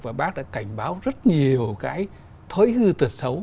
và bác đã cảnh báo rất nhiều cái thói hư tật xấu